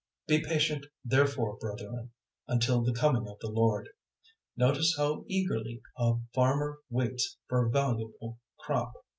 005:007 Be patient therefore, brethren, until the Coming of the Lord. Notice how eagerly a farmer waits for a valuable crop!